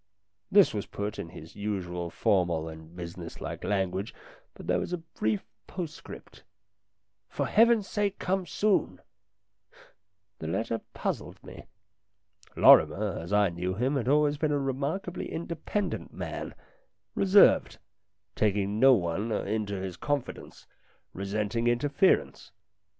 This was put in his usual formal and business like language, but there was a brief postscript "For Heaven's sake come soon !" The letter puzzled me. Lorrimer, as I knew him, had always been a remarkably independent man, reserved, taking no one into his confidence, resenting interference.